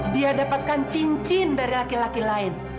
dia dapatkan cincin dari laki laki lain